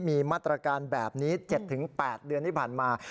มีมาตรการแบบนี้๗๘เดือนที่ผ่านมา